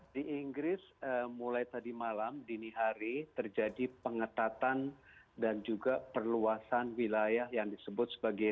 di inggris mulai tadi malam dini hari terjadi pengetatan dan juga perluasan wilayah yang disebut sebagai